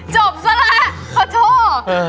จบซะละขอโทษ